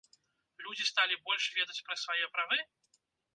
Людзі сталі больш ведаць пра свае правы?